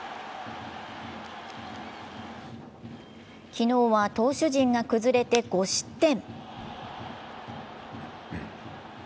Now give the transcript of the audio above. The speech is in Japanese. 昨日は投手陣が崩れて５失点。